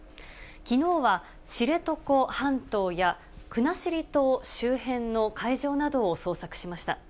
きのうは知床半島や、国後島周辺の海上などを捜索しました。